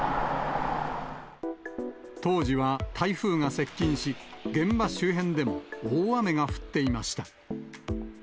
当時は台風が接近し、現場周辺でも大雨が降っていました。